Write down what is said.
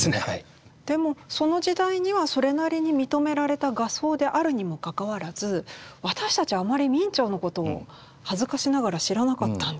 でもその時代にはそれなりに認められた画僧であるにもかかわらず私たちはあまり明兆のことを恥ずかしながら知らなかったんですが。